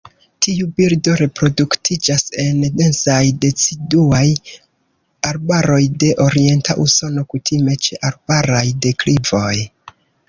Tiu birdo reproduktiĝas en densaj deciduaj arbaroj de orienta Usono, kutime ĉe arbaraj deklivoj.